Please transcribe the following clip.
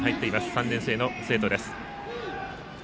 ３年生の生徒です。